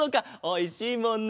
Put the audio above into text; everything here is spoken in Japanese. おいしいもんな！